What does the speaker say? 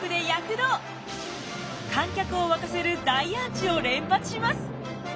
観客を沸かせる大アーチを連発します。